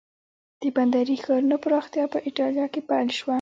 د بندري ښارونو پراختیا په ایټالیا کې پیل شوه.